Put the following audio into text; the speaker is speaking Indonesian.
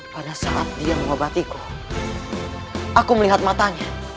pada saat dia mengobatiku aku melihat matanya